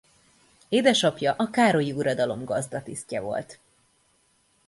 Édesapja a Károlyi-uradalom gazdatisztje volt.